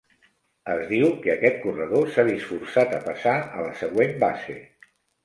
Es diu que aquest corredor s'ha vist forçat a passar a la següent base.